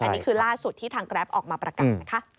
อันนี้คือล่าสุดที่ทางแกรปออกมาประกาศนะคะ